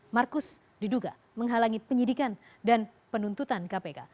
markus diduga menghalangi penyidikan dan penuntutan kpk